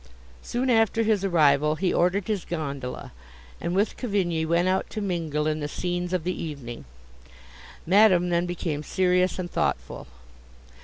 Soon after his arrival, he ordered his gondola, and, with Cavigni, went out to mingle in the scenes of the evening. Madame then became serious and thoughtful.